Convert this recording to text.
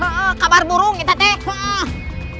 he'eh kabar burung nih teteh